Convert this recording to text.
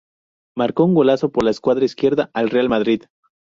Marco un golazo por la escuadra izquierda al Real Madrid.